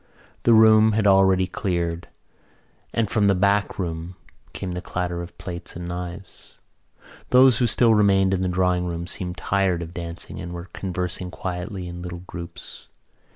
The room had already cleared and from the back room came the clatter of plates and knives. Those who still remained in the drawing room seemed tired of dancing and were conversing quietly in little groups.